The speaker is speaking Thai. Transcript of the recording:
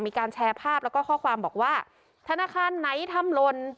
มีการแชร์ภาพแล้วก็ข้อความบอกว่าธนาคารไหนทำหล่น